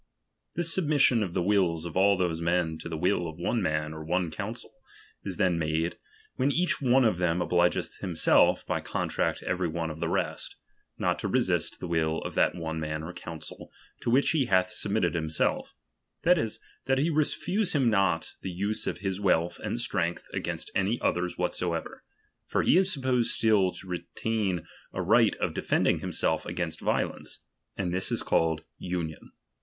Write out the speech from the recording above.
This submission of the wills of all those men to the will of one man or one council, is then made, when each one of them obligeth himself by contract to every one of the rest, not to resist the will of that one man or council, to which he hath submitted himself; that is, that he refuse him not the use of his wealth and strength against any others whatsoever ; for he is supposed still to re tain a right of defending himself against violence ; and this is calletl mho*.